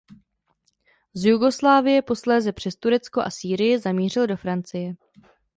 Z Jugoslávie posléze přes Turecko a Sýrii zamířil do Francie.